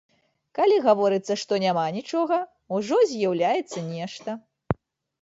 Калі гаворыцца, што няма нічога, ужо з'яўляецца нешта.